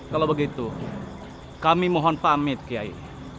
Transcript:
kalau begitu kami mohon pamit kiai